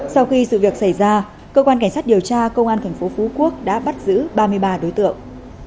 sau khi sự việc xảy ra cơ quan cảnh sát điều tra công an tp phú quốc đã bắt giữ ba mươi ba đối tượng